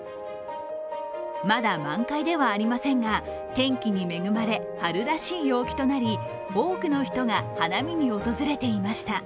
まだ満開ではありませんが天気に恵まれ春らしい陽気となり多くの人が花見に訪れていました。